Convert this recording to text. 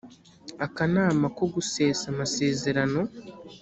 akanama ko gusesa amasezerano